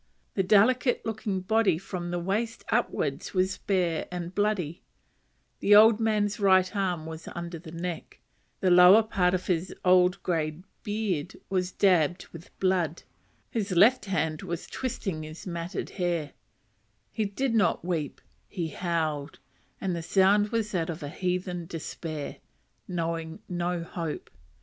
The delicate looking body from the waist upwards was bare and bloody; the old man's right arm was under the neck, the lower part of his long grey beard was dabbled with blood, his left hand was twisting his matted hair; he did not weep, he howled, and the sound was that of a heathen despair, knowing no hope.